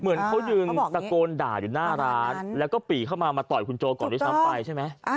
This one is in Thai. เหมือนเขายืนตะโกนด่าอยู่หน้าร้านแล้วก็ปีเข้ามามาต่อยคุณโจก่อนด้วยซ้ำไปใช่ไหม